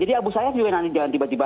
jadi abu sayyaf juga nanti jalan tiba tiba